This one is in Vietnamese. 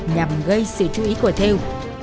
nhằm gây sự chú ý của thêu